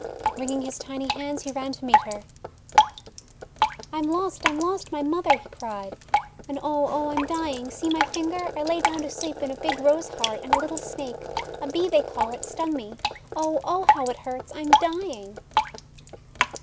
Wringing his tiny hands, he ran to meet her. "I'm lost! I'm lost! my mother!' he cried. "And — oh !— oh — I 'm dying ! See my finger ! I lay down to sleep in a big Rose heart, and a little Snake — a Bee they call it — stung me! Oh !— oh how it hurts ! 1 'm dying